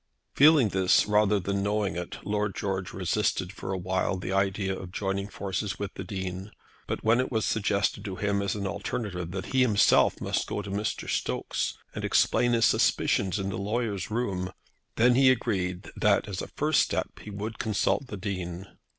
Feeling this rather than knowing it Lord George resisted for awhile the idea of joining forces with the Dean; but when it was suggested to him as an alternative that he himself must go to Mr. Stokes and explain his suspicions in the lawyer's room, then he agreed that, as a first step, he would consult the Dean.